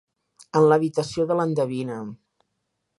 En l'habitació de l'endevina.